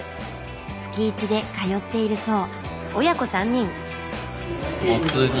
月１で通っているそう。